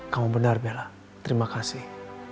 kamu benar bella terima kasih